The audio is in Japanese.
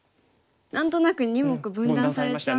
何となく２目分断されちゃって。